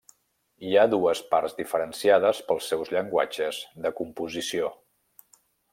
Hi ha dues parts diferenciades pels seus llenguatges de composició.